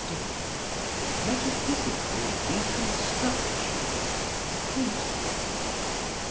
Metaphysical Reconstruction Plato.